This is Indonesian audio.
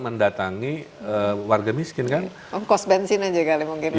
mendatangi warga miskin kan oh